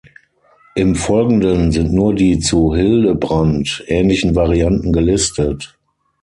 Im Folgenden sind nur die zu „Hillebrand“ ähnlichen Varianten gelistet.